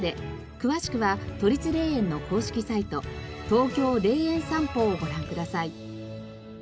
詳しくは都立霊園の公式サイト「ＴＯＫＹＯ霊園さんぽ」をご覧ください。